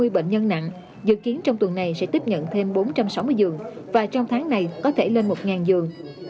một trăm ba mươi bệnh nhân nặng dự kiến trong tuần này sẽ tiếp nhận thêm bốn trăm sáu mươi dương và trong tháng này có thể lên một dương